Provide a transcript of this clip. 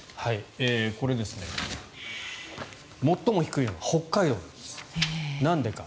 これ、最も低いのが北海道なんです。